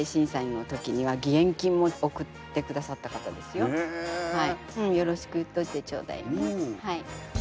よろしく言っといてちょうだいね。